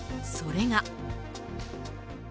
それが。